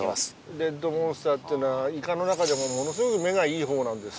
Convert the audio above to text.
レッドモンスターっていうのはイカの中でもものすごく目がいいほうなんです。